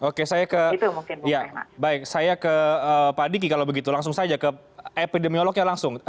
oke saya ke pak diki kalau begitu langsung saja ke epidemiologi langsung